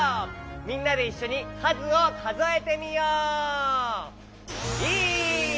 みんなでいっしょにかずをかぞえてみよう！